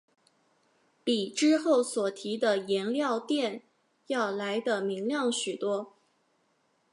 比之后所提的颜料靛要来得明亮许多。